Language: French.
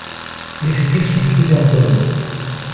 Les styles sont soudés en colonne.